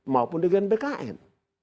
maupun dengan bkn